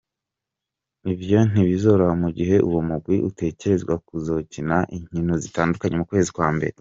Ivyo ntibozoroha mu gihe uwo mugwi utegerezwa kuzokina inkino zitandatu mu kwezi kwa mbere.